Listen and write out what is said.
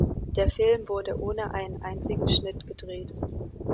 Der Film wurde ohne einen einzigen Schnitt gedreht.